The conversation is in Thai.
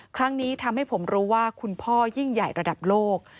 ครั้งนี้ทำให้ผมรู้ว่าคุณพ่อยิ่งใหญ่ระดับโลก